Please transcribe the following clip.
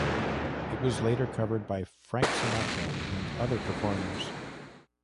It was later covered by Frank Sinatra and other performers.